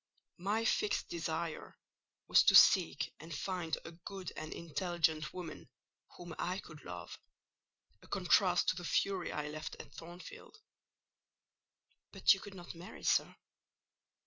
My fixed desire was to seek and find a good and intelligent woman, whom I could love: a contrast to the fury I left at Thornfield—" "But you could not marry, sir."